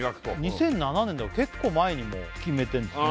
２００７年だから結構前にもう決めてるんですね